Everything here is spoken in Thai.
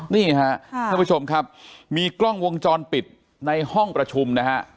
นี่ค่ะท่านผู้ชมครับมีกล้องวงจรปิดในห้องประชุมนะฮะ